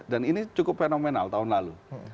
dan ini cukup fenomenal tahun lalu